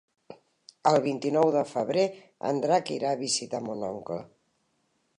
El vint-i-nou de febrer en Drac irà a visitar mon oncle.